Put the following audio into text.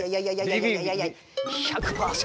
いやいやいやいや１００％。